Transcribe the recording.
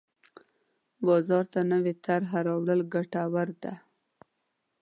بازار ته نوې طرحه راوړل ګټوره ده.